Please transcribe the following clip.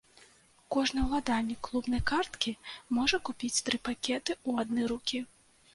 Кожны ўладальнік клубнай карткі можа купіць тры пакеты ў адны рукі.